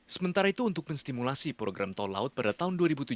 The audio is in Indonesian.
sementara itu untuk menstimulasi program tol laut pada tahun dua ribu tujuh belas